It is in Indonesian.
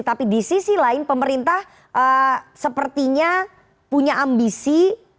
tapi di sisi lain pemerintah sepertinya punya ambisi